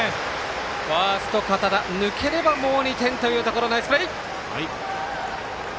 ファースト、堅田、抜ければもう２点というところナイスプレー。